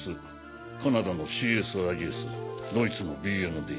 カナダのＣＳＩＳドイツのＢＮＤ。